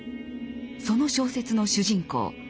その小説の主人公